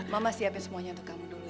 mama siapin semuanya untuk kamu dulu